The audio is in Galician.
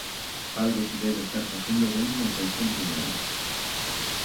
¡Algo se debe estar facendo ben en atención primaria!